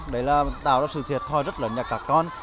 đấy là tạo ra sự thiệt thòi rất lớn cho các con